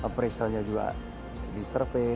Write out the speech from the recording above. penyelenggaraannya juga di servis